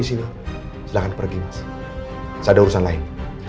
silahkan pergi mas ada urusan lain